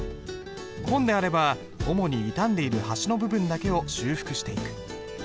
本であれば主に傷んでいる端の部分だけを修復していく。